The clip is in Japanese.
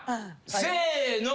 せの。